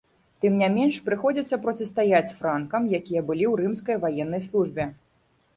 Тым не менш, прыходзіцца процістаяць франкам, якія былі ў рымскай ваеннай службе.